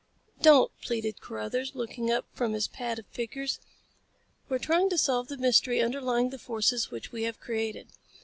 "Don't," pleaded Carruthers, looking up from his pad of figures. "We're trying to solve the mystery underlying the forces which we have created."